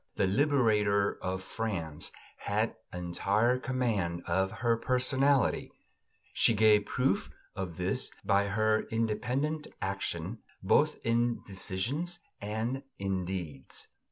The liberator of France had entire command of her personality; she gave proof of this by her independent action, both in decisions and in deeds."